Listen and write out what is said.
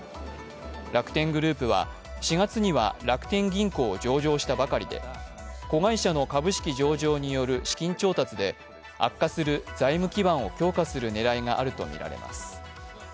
楽天グループは４月には楽天銀行を上場したばかりで子会社の株式上場による資金調達で悪化する財務基盤を強化する狙いがあるとみられます。